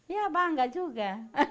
ya bangga juga